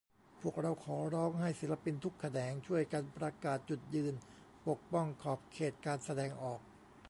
พวกเราขอร้องให้ศิลปินทุกแขนง ช่วยกันประกาศจุดยืน ปกป้องขอบเขตการแสดงออก